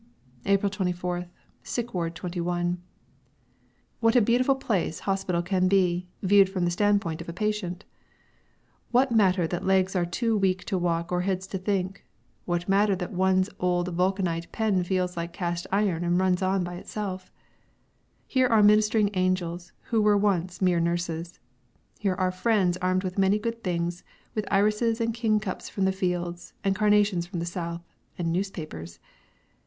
April 24th, Sick Ward 21. What a very beautiful place hospital can be, viewed from the standpoint of a patient! What matter that legs are too weak to walk or heads to think? What matter that one's old vulcanite pen feels like cast iron and runs on by itself? Here are ministering angels who were once mere nurses. Here are friends armed with many good things, with irises and kingcups from the fields and carnations from the south and newspapers.